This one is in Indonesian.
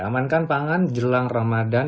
amankan pangan jelang ramadan